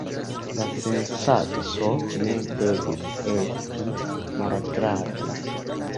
La sensaco ne devis esti malagrabla.